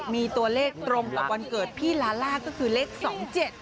มีตัวเลขตรงกับวันเกิดพี่ลาล่าก็คือเลขสองเจ็ด